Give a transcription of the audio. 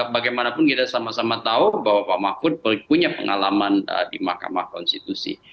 bagaimanapun kita sama sama tahu bahwa pak mahfud punya pengalaman di mahkamah konstitusi